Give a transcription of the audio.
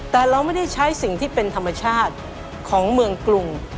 แต่เราไม่ได้ใช้สิ่งที่เป็นธรรมชาติของเมืองกรุง